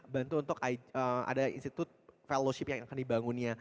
bantu untuk ada institut fellowship yang akan dibangunnya